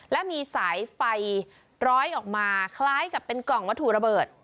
และมีสายไฟร้อยออกมาคล้ายกับเป็นกล่องวัตถุระเบิด